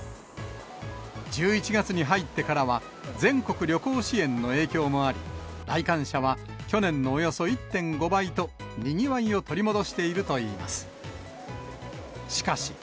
１１月に入ってからは、全国旅行支援の影響もあり、来館者は去年のおよそ１．５倍と、にぎわいを取り戻しているといいます。